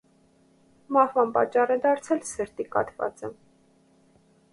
Մահվան պատճառ է դարձել սրտի կաթվածը։